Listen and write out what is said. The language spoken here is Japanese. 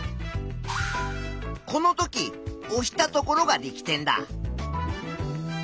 このとき押したところが力点だ。